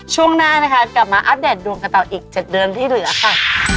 ช่วงหน้านะคะกลับมาอัปเดตดวงกันต่ออีก๗เดือนที่เหลือค่ะ